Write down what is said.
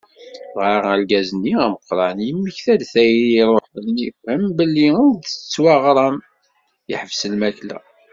Dγa argaz-nni ameqran, yemmekta-d tayri i iruḥen, yefhem belli ur d-tettwaγram, yeḥbes lmakla.